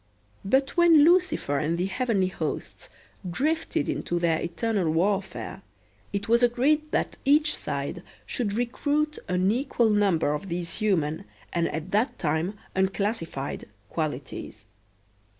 But when Lucifer and the heavenly hosts drifted into their eternal warfare it was agreed that each side should recruit an equal number of these human, and at that time unclassified, qualities.